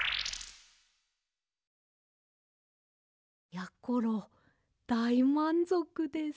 やころだいまんぞくです。